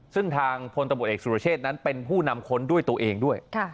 ซึ่งทางพลตำรวจเอกสุรเชษนั้นเป็นผู้นำค้นด้วยตัวเองด้วย